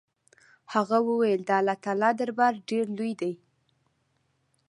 هغه وويل د الله تعالى دربار ډېر لوى دې.